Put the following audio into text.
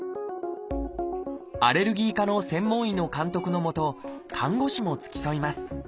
アレルギー科の専門医の監督の下看護師も付き添います。